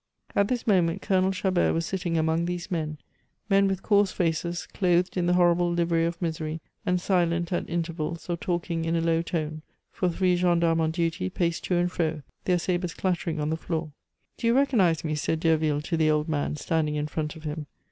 At this moment Colonel Chabert was sitting among these men men with coarse faces, clothed in the horrible livery of misery, and silent at intervals, or talking in a low tone, for three gendarmes on duty paced to and fro, their sabres clattering on the floor. "Do you recognize me?" said Derville to the old man, standing in front of him.